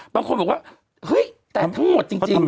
บางคนบอกว่าเฮ้ยแต่ทั้งหมดจริง